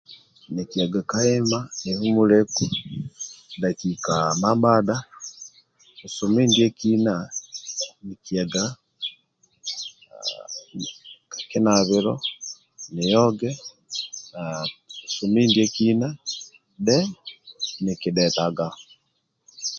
Nikiyaga ka ima nihumuleku dakika mamadha busumi ndiekina nikiyaga aa ka kinabilo nioge aa busumi ndiekina dhe nikidhetaga